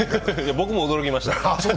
僕も驚きました。